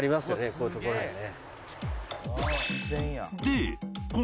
こういうところにね。